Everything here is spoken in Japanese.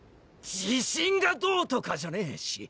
自信がどうとかじゃねぇし